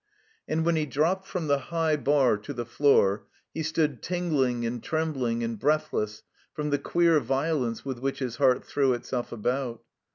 And when he dropped from the high bar to the floor he stood tingling and trembling and breathless from the queer violence with which his heart threw itself about.